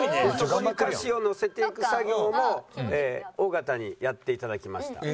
そこに歌詞をのせていく作業も尾形にやって頂きました。